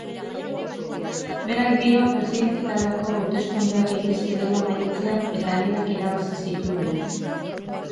Berak dio presidentetarako hauteskundeak egin zirela maiatzean eta berak irabazi zituela.